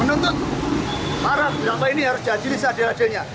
menuntut para berapa ini harga jadinya